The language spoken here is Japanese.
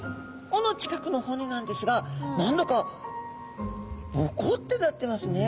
尾の近くの骨なんですが何だかボコッてなってますね。